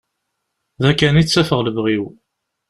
Da kan i ttafeɣ lebɣi-w.